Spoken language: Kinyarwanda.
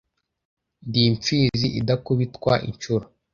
Ndi imfizi idakubitwa inshuro